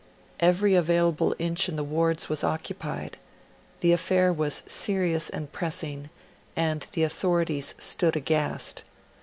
Every available inch in the wards was occupied; the affair was serious and pressing, and the authorities stood aghast.